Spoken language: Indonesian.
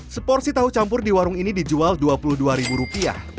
seporsi tahu campur di warung ini dijual rp dua puluh dua